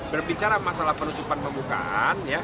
berbicara masalah penutupan pembukaan